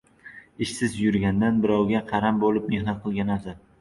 • Ishsiz yurgandan birovga qaram bo‘lib mehnat qilgan afzal.